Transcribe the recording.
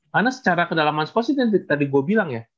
karena secara kedalaman spasi tadi gue bilang ya